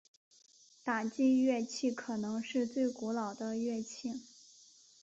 打击乐器可能是最古老的乐器。